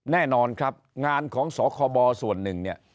แน่นอนครับงานของสคบส่วนหนึ่งเนี่ย